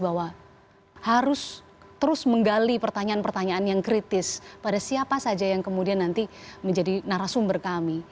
bahwa harus terus menggali pertanyaan pertanyaan yang kritis pada siapa saja yang kemudian nanti menjadi narasumber kami